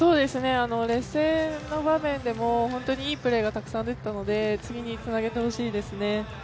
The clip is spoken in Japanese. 劣勢の場面でも、いいプレーがたくさん出ていたので、次につなげてほしいですね。